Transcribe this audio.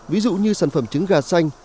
ví dụ như sản phẩm trứng gà xanh